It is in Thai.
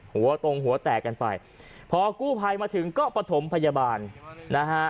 หัวตรงหัวแตกกันไปพอกู้ภัยมาถึงก็ประถมพยาบาลนะฮะ